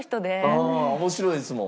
うん面白いですもん。